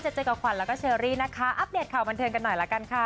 เจอกับขวัญแล้วก็เชอรี่นะคะอัปเดตข่าวบันเทิงกันหน่อยละกันค่ะ